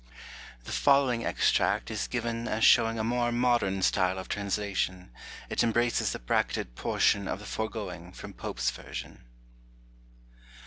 [The following extract is given as showing a more modern style of translation. It embraces the bracketed portion of the foregoing from Pope's version.